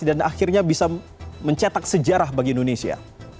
dan akhirnya bisa mencetak sejarah bagi indonesia